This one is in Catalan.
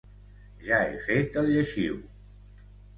Ja he fet el lleixiu!